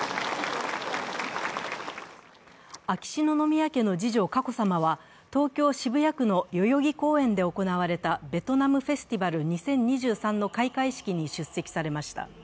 秋篠宮家の次女佳子さまは東京・渋谷区の代々木公園で行われたベトナムフェスティバル２０２３の開会式に出席されました。